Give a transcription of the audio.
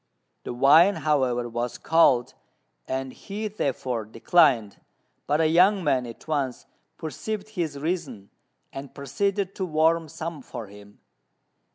The wine, however, was cold, and he therefore declined; but the young man at once perceived his reason, and proceeded to warm some for him.